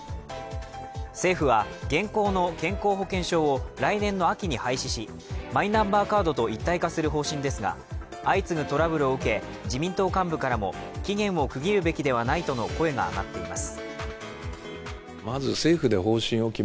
政府は現行の健康保険証を来年の秋に廃止し、マイナンバーカードと一体化する方針ですが、相次ぐトラブルを受け、自民党幹部からも期限を区切るべきではないとの声が上がっています。